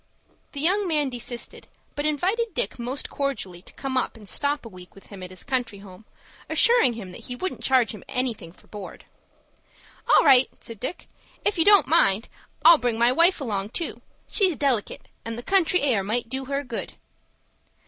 The young man desisted, but invited Dick most cordially to come up and stop a week with him at his country home, assuring him that he wouldn't charge him anything for board. "All right!" said Dick. "If you don't mind I'll bring my wife along, too. She's delicate, and the country air might do her good."